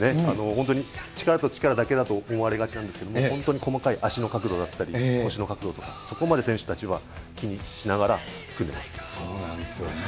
本当に力と力だけだと思われがちなんですけど、本当に細かい足の角度だったり、腰の角度とか、そこまで選手たちは気にしながらそうなんですよね。